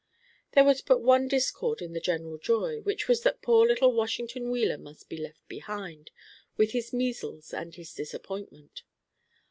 There was but one discord in the general joy, which was that poor little Washington Wheeler must be left behind, with his measles and his disappointment.